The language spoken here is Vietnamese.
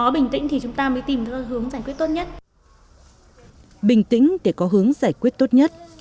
bình tĩnh để có hướng giải quyết tốt nhất